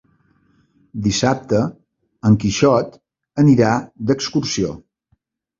Dissabte en Quixot anirà d'excursió.